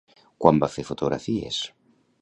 Quan va fer fotografies?